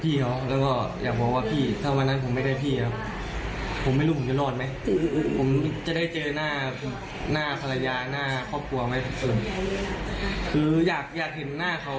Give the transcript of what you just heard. ผมอยากจะขอบคุณเขาไม่รู้จะด้วยหลายวิธีที่อยากจะขอบคุณนะครับ